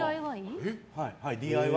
ＤＩＹ？